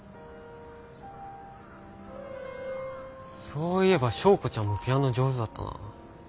そういえば昭子ちゃんもピアノ上手だったなあ。